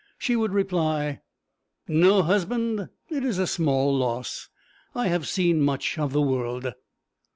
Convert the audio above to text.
She would reply 'No husband! It is small loss. I have seen much of the world.'